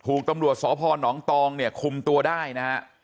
ถูกตำรวจสพนตองคุมตัวได้นะครับ